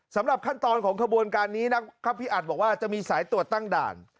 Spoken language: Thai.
สำหรับขั้นตอนของขบวนการนี้นะครับพี่อัดบอกว่าจะมีสายตรวจตั้งด่าน